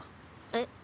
えっ？